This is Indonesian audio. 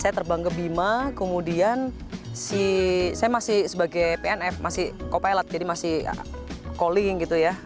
saya terbang ke bima kemudian si saya masih sebagai pnf masih co pilot jadi masih calling gitu ya